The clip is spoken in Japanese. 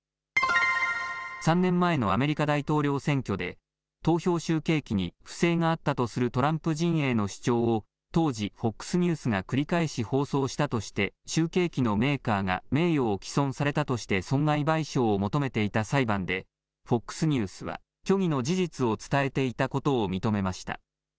３年前のアメリカ大統領選挙で投票集計機に不正があったとするトランプ陣営の主張を当時、ＦＯＸニュースが繰り返し放送したとして集計機のメーカーが名誉を毀損されたとして損害賠償を求めていた裁判でＦＯＸニュースは虚偽の事実を伝えていたことを認めました。